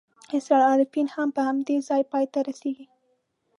اسرار العارفین هم په همدې ځای پای ته رسېږي.